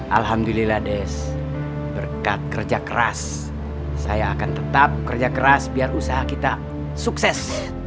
alhamdulillah des berkat kerja keras saya akan tetap kerja keras biar usaha kita sukses